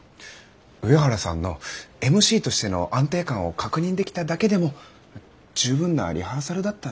上原さんのＭＣとしての安定感を確認できただけでも十分なリハーサルだったんじゃないですか。